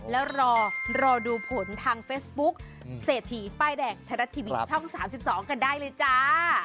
แล้วรอดูผลทางเฟซบุ๊กเศรษฐีป้ายแดงไทยรัฐทีวีช่อง๓๒กันได้เลยจ้า